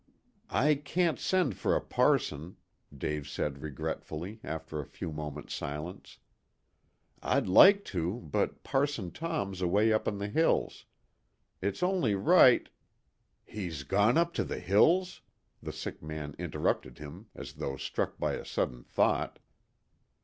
"I can't send for a parson," Dave said regretfully, after a few moments' silence. "I'd like to, but Parson Tom's away up in the hills. It's only right " "He's gone up to the hills?" the sick man interrupted him, as though struck by a sudden thought.